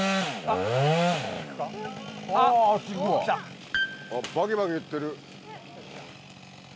あっバキバキいってる。